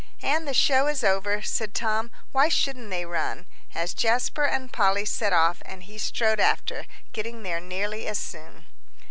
"And the show is over," said Tom, "why shouldn't they run?" as Jasper and Polly set off, and he strode after, getting there nearly as soon.